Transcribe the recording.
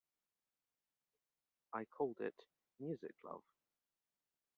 I called it 'Music Love'.